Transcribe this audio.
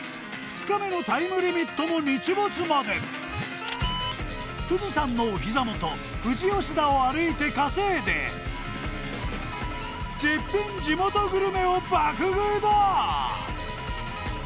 ２日目のタイムリミットも日没まで富士山のお膝元富士吉田を歩いて稼いで絶品地元グルメを爆食いだ！